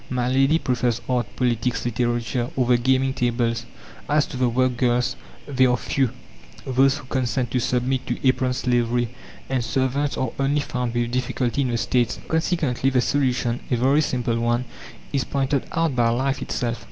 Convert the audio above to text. My lady prefers art, politics, literature, or the gaming tables; as to the work girls, they are few, those who consent to submit to apron slavery, and servants are only found with difficulty in the States. Consequently, the solution, a very simple one, is pointed out by life itself.